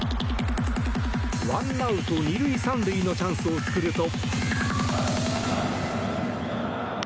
１アウト２塁３塁のチャンスを作ると。